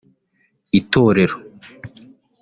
itorero